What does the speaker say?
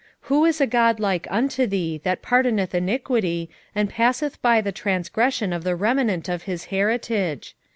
7:18 Who is a God like unto thee, that pardoneth iniquity, and passeth by the transgression of the remnant of his heritage?